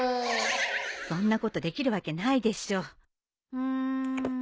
そんなことできるわけないでしょ。